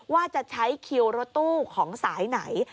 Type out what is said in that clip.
ว่าจะใช้คิวรถตู้ของสายไหน